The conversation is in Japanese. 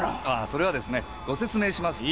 それはですねご説明しますと。